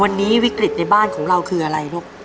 วันนี้วิกฤตในบ้านของเราคืออะไรลูก